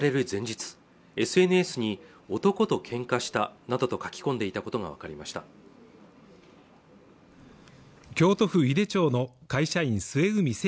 前日ＳＮＳに男と喧嘩したなどと書き込んでいたことが分かりました京都府井手町の会社員末海